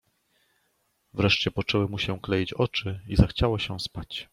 "Wreszcie poczęły mu się kleić oczy i zachciało się spać."